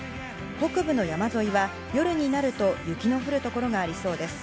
北部の山沿いは夜になると雪の降る所がありそうです。